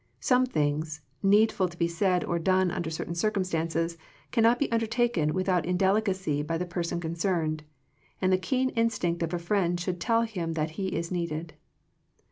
Some things, needful to be said or done under certain circumstances, cannot be undertaken without indelicacy by the person concerned, and the keen instinct of a friend should tell him that he is needed.